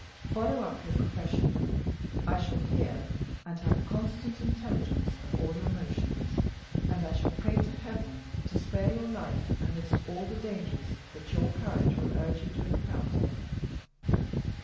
Follow up your profession. I shall hear and have constant intelligence of all your motions, and I shall pray to heaven to spare your life amidst all the dangers that your courage will urge you to encounter.